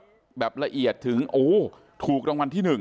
นี่มันต้มไปไปยากเคราชนแมนที่มา